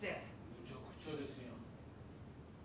むちゃくちゃですやん。